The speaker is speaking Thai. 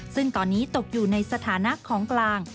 ซึ่งตอนนี้ตกอยู่ในสถานะของกลาง